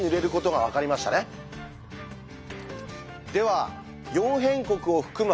では「四辺国」を含む